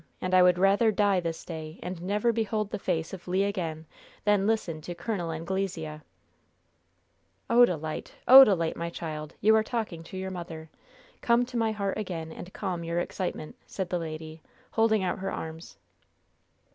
And I would rather die this day and never behold the face of Le again, than listen to Col. Anglesea!" "Odalite! Odalite, my child! You are talking to your mother. Come to my heart again, and calm your excitement," said the lady, holding out her arms.